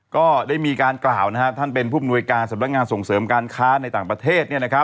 ก็ได้มีการกล่าวท่านเป็นผู้มนวยการสำนักงานส่งเสริมการค้าในต่างประเทศ